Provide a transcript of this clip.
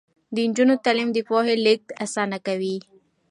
د نجونو تعلیم د پوهې لیږد اسانه کوي.